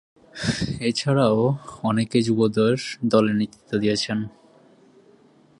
এছাড়াও অনেকেই যুবদের দলে নেতৃত্ব দিয়েছেন।